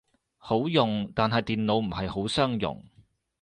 好用，但係電腦唔係好相容